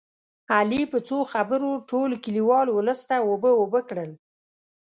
علي په څو خبرو ټول کلیوال اولس ته اوبه اوبه کړل